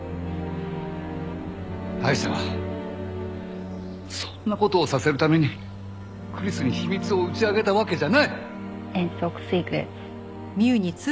アイシャはそんな事をさせるためにクリスに秘密を打ち明けたわけじゃない！